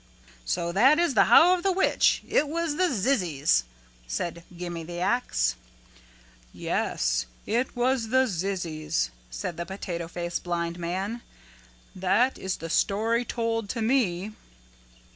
'" "So that is the how of the which it was the zizzies," said Gimme the Ax. "Yes, it was the zizzies," said the Potato Face Blind Man. "That is the story told to me."